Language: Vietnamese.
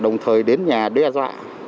đồng thời đến nơi đó